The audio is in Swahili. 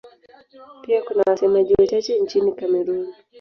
Pia kuna wasemaji wachache nchini Kamerun.